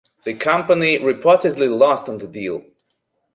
The company reportedly lost on the deal.